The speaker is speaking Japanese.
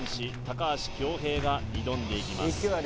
高橋恭平が挑んでいきます